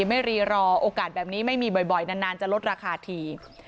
ไม่รีรอโอกาสแบบนี้ไม่มีบ่อยนานจะลดราคาที